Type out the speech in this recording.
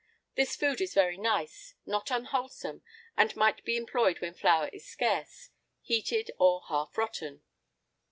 This food is very nice, not unwholesome, and might be employed when flour is scarce, heated, or half rotten.